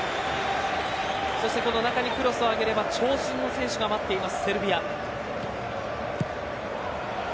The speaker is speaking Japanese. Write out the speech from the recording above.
中にクロスを上げれば長身の選手が待っています。